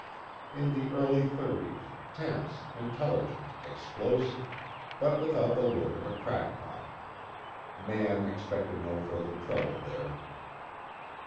In the early thirties, tense, intelligent, explosive, but without the look of a crackpot; Mann expected no further trouble there.